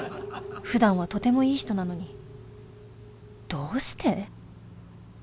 ふだんはとてもいい人なのにどうして？